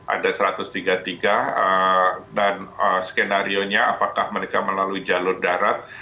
ada satu ratus tiga puluh tiga dan skenario nya apakah mereka melalui jalur darat